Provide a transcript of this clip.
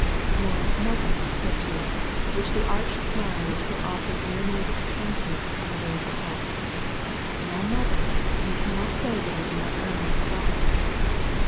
'Now, mother,' said she, with the arch smile which so often illuminated her countenance in the days of health, 'Now, mother you cannot say that I do not earn my salt.'